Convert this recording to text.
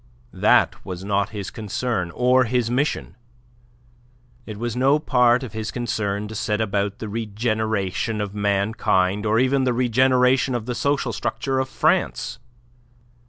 That was not his concern or his mission. It was no part of his concern to set about the regeneration of mankind, or even the regeneration of the social structure of France.